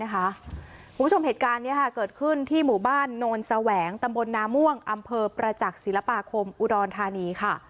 คุณผู้ชมเหตุการณ์นี้เกิดขึ้นที่หมู่บ้านโนนแสวงตำบลนาม่วงอำเภอประจักษ์ศิลปาคมอุดรธานีค่ะ